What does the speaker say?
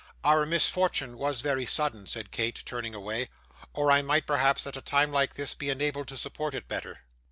'Our misfortune was very sudden,' said Kate, turning away, 'or I might perhaps, at a time like this, be enabled to support it better.